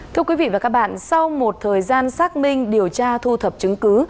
thưa quý vị và các bạn sau một thời gian xác minh điều tra thu thập chứng cứ